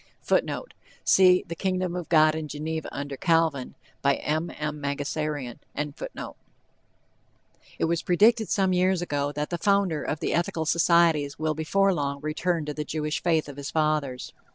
[Footnote: See "The Kingdom of God in Geneva Under Calvin." M. M. Mangasarian.] It was predicted some years ago that the founder of the Ethical Societies will before long return to the Jewish faith of his fathers.